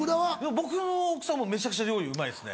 僕の奥さんもめちゃくちゃ料理うまいですね。